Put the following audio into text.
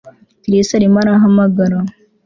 Chris arimo arahamagara